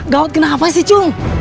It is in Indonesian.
gawat kenapa sih cung